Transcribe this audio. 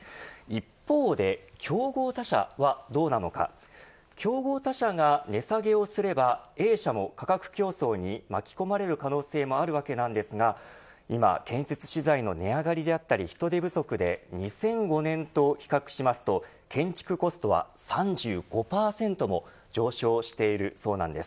一方で、競合他社はどうなのか競合他社が値下げをすればＡ社も価格競争に巻き込まれる可能性もあるわけなんですが今、建設資材の値上がりだったり人手不足で２００５年と比較しますと建築コストは３５％も上昇しているそうなんです。